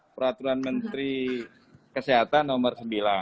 peraturan menteri kesehatan nomor sembilan